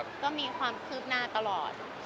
ก็มีความคืบหน้าตลอด